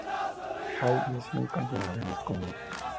Hyde y Smith continúan una vez más, como dúo.